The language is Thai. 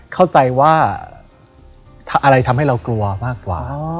เข้าใจว่าอะไรทำให้เรากลัวมากกว่า